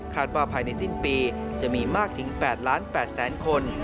ว่าภายในสิ้นปีจะมีมากถึง๘๘๐๐๐คน